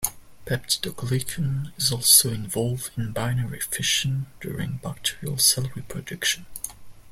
Peptidoglycan is also involved in binary fission during bacterial cell reproduction.